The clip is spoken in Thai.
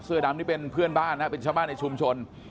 ดำนี่เป็นเพื่อนบ้านนะเป็นชาวบ้านในชุมชน